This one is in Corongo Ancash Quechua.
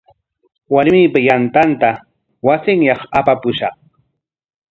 Warmipa yantanta wasinyaq apapushqa.